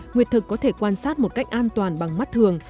nguyệt thực có thể quan sát một cách an toàn bằng mắt thường